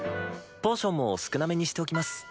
ポーションも少なめにしておきます。